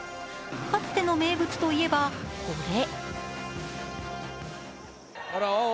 かつての名物といえば、これ。